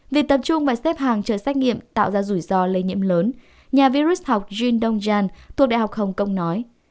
vì tập trung và xếp hàng chờ xét nghiệm tạo ra rủi ro lây nhiễm lớn nhà virus học jin dong jan thuộc đại học hồng kông nói